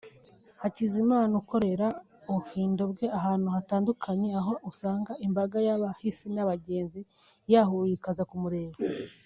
Hakizimana ukorera ubufindo bwe ahantu hatandukanye aho usanga imbaga y’abahisi n’abagenzi yahuruye ikaza kumureba